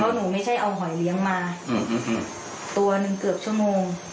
เพราะหนูไม่ใช่เอาหอยเลี้ยงมาอืมอืมตัวหนึ่งเกือบชั่วโมง